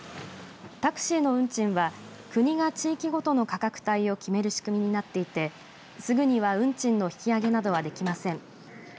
タクシーの運賃は国が、地域ごとの価格帯を決める仕組みになっていてすぐには運賃の引き上げなどはできません。